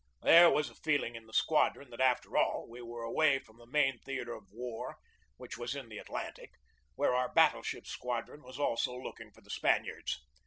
There was a feeling in the squadron that, after all, we were away from the main theatre of war, which was in the Atlantic, where our battle ship squadron was also looking for the Spaniards.